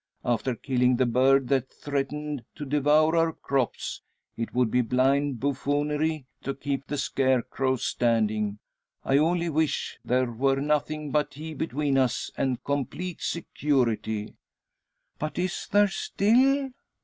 After killing the bird that threatened to devour our crops, it would be blind buffoonery to keep the scarecrow standing. I only wish, there were nothing but he between us, and complete security." "But is there still?"